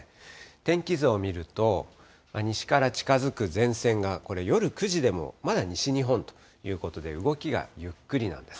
天気図を見ると、西から近づく前線が、これ、夜９時でもまだ西日本ということで、動きがゆっくりなんです。